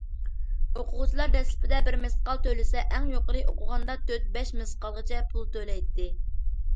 ئوقۇغۇچىلار دەسلىپىدە بىر مىسقال تۆلىسە، ئەڭ يۇقىرى ئوقۇغاندا تۆت- بەش مىسقالغىچە پۇل تۆلەيتتى.